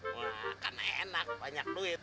wah karena enak banyak duit